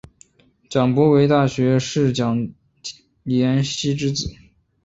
蒋溥为大学士蒋廷锡之子。